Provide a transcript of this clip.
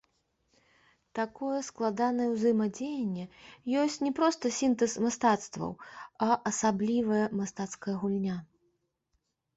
Такое складанае ўзаемадзеянне ёсць не проста сінтэз мастацтваў, а асаблівая мастацкая гульня.